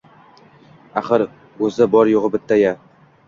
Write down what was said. axir o‘zi bor-yo‘g‘i bitta-ya...